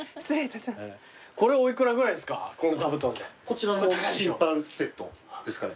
こちらの審判セットですかね？